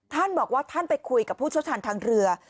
ท่านบอกว่าท่านไปคุยกับผู้เชี่ยวชาญทางเรือ